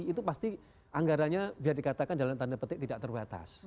itu pasti anggaranya biar dikatakan jalan tanda petik tidak terbatas